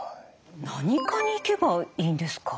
何科に行けばいいんですか？